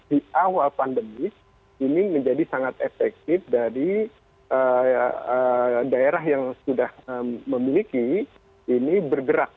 di awal pandemi ini menjadi sangat efektif dari daerah yang sudah memiliki ini bergerak